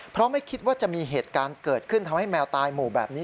เพราะไม่คิดว่าจะมีเหตุการณ์เกิดขึ้นทำให้แมวตายหมู่แบบนี้